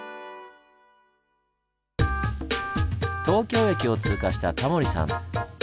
東京駅を通過したタモリさん。